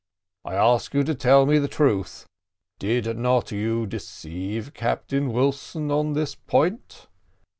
I ask you to tell me the truth. Did not you deceive Captain Wilson on this point?"